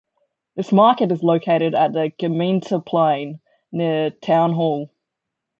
This market is located at the Gemeenteplein, near town hall.